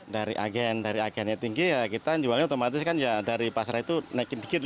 dari agen agen yang tinggi kita jualnya otomatis dari pasar itu naikin sedikit